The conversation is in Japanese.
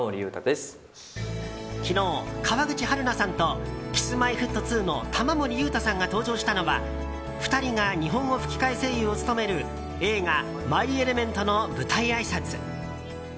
昨日、川口春奈さんとＫｉｓ‐Ｍｙ‐Ｆｔ２の玉森裕太さんが登場したのは２人が日本語吹き替え声優を務める映画「マイ・エレメント」の舞台あいさつ。